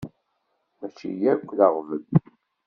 Mačči akk d aɣbel.